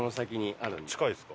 近いですか？